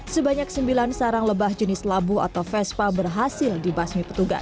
sebanyak sembilan sarang lebah jenis labu atau vespa berhasil dibasmi petugas